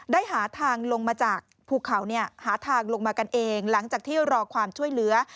หาทางลงมาจากภูเขาหาทางลงมากันเองหลังจากที่รอความช่วยเหลือ